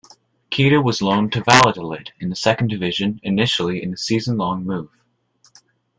Keita was loaned to Valladolid in the second division, initially in a season-long move.